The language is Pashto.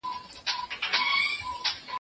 ککرۍ به ماتوي د مظلومانو